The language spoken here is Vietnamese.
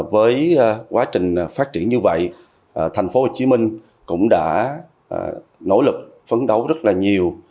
với quá trình phát triển như vậy thành phố hồ chí minh cũng đã nỗ lực phấn đấu rất là nhiều